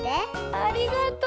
ありがとう。